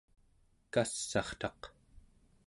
kass'artaq